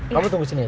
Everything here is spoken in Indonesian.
kamu tunggu sini aja